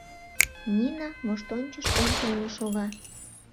Нина воштончыш ончылно шога.